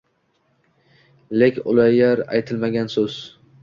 Лек улғаяр айтилмаган СЎЗ